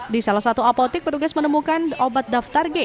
di salah satu apotik petugas menemukan obat daftar g